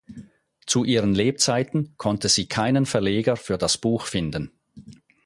Zu ihren Lebzeiten konnte sie keinen Verleger für das Buch finden.